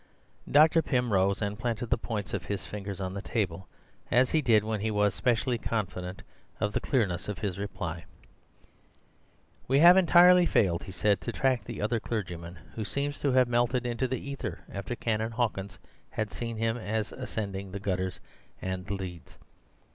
Dr. Pym rose and planted the points of his fingers on the table, as he did when he was specially confident of the clearness of his reply. "We have entirely failed," he said, "to track the other clergyman, who seems to have melted into the ether after Canon Hawkins had seen him as cending the gutters and the leads.